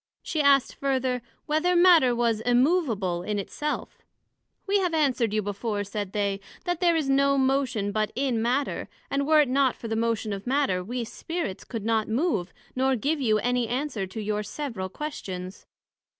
she asked further, Whether Matter was immovable in it self? We have answered you before, said they, That there is no motion but in Matter; and were it not for the motion of Matter, we Spirits, could not move, nor give you any answer to your several questions.